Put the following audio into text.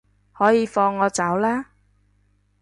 可以放我走喇